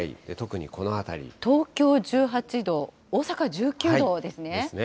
東京１８度、大阪１９度ですですね。